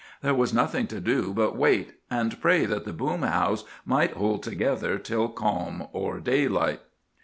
There was nothing to do but wait, and pray that the boom house might hold together till calm or daylight.